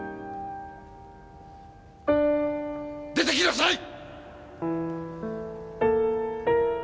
出てきなさい！